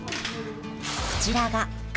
こちらが、影